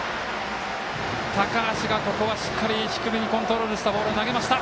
高橋がしっかり低めにコントロールしたボールを投げました。